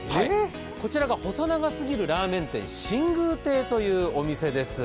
こちらが細長すぎるラーメン店、新宮亭というお店です。